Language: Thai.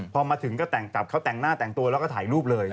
พอมาถึงก็แต่งกลับเขาแต่งหน้าแต่งตัวแล้วก็ถ่ายรูปเลย